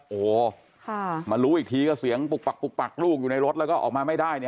โอ้โหมารู้อีกทีก็เสียงปุกปักปุกปักลูกอยู่ในรถแล้วก็ออกมาไม่ได้